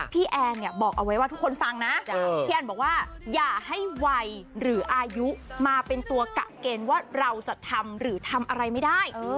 แอนเนี่ยบอกเอาไว้ว่าทุกคนฟังนะพี่แอนบอกว่าอย่าให้วัยหรืออายุมาเป็นตัวกะเกณฑ์ว่าเราจะทำหรือทำอะไรไม่ได้